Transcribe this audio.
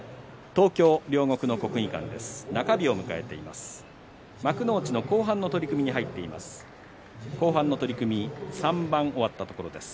東京・両国の国技館です。